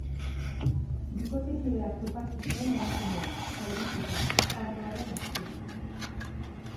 Bikotekideak topatu zuen emakumea, zaurituta, fardoaren azpian.